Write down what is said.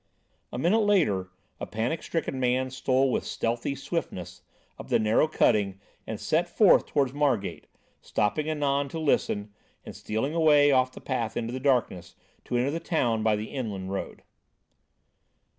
A minute later, a panic stricken man stole with stealthy swiftness up the narrow cutting and set forth towards Margate, stopping anon to listen, and stealing away off the path into the darkness, to enter the town by the inland road.